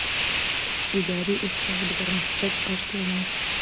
اداري اصلاح د پرمختګ اړتیا ده